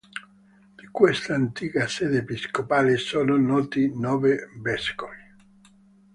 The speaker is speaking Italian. Di questa antica sede episcopale sono noti nove vescovi.